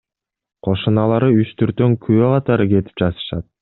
Кошуналары үстүртөн күбө катары кетип жатышат.